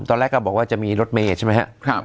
ตอนแรกก็บอกว่าจะมีรถเมย์ใช่ไหมครับ